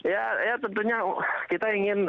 ya ya tentunya kita ingin